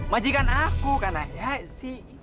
majikan aku kan ayah si